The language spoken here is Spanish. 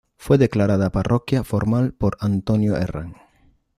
Fue declarada parroquia formal por Antonio Herrán.